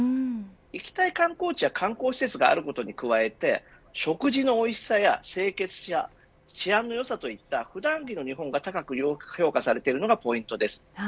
行きたい観光地や観光施設があることに加えて食事のおいしさや清潔さ治安の良さといった普段着の日本が高く評価されているのがポイントです。